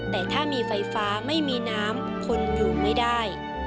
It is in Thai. แต่ถ้ามีไฟฟ้าไม่มีน้ำคนอยู่ไม่ได้